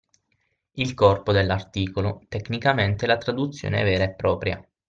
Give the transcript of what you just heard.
Il corpo dell’articolo, tecnicamente la traduzione vera e propria.